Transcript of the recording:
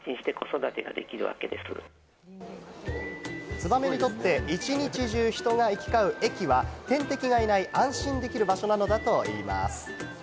ツバメにとって一日中、人が行きかう駅は天敵がいない安心できる場所なのだといいます。